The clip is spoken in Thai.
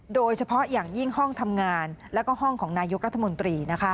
โดยเฉพาะอย่างยิ่งห้องทำงานและห้องของนายกรัฐมนตรี